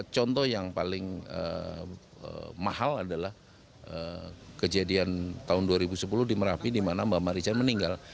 contoh yang paling mahal adalah kejadian tahun dua ribu sepuluh di merapi di mana mbak marijan meninggal